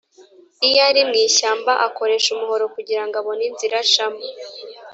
iyari mwishyamba akoresha umuhoro kugira ngo abone inzira acamo.